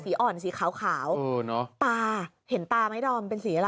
อ่อนสีขาวตาเห็นตาไหมดอมเป็นสีอะไร